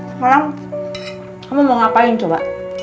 sekarang kamu mau ngapain coba